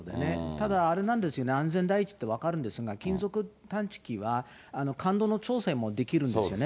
ただあれなんですよね、安全第一って分かるんですが、金属探知機は感度の調整もできるんですよね。